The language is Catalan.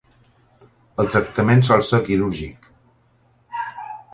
El tractament sol ser quirúrgic.